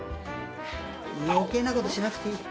余計なことしなくていい！